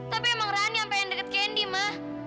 tapi emang rani yang pengen deket candy ma